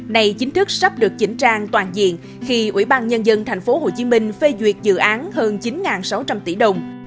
này chính thức sắp được chỉnh trang toàn diện khi ubnd tp hcm phê duyệt dự án hơn chín sáu trăm linh tỷ đồng